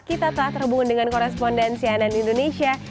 kita telah terhubung dengan korespondensi ann indonesia